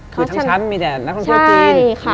คือทั้งชั้นมีแต่นักท่องเที่ยวจีน